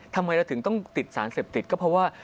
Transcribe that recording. ทำไมเราถึงต้องติดสารเสพติดก็เพราะว่า